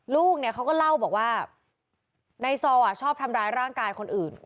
ลูกเนี่ยเขาก็เล่าบอกว่าในซอชอบทำร้ายร่างกายคนอื่น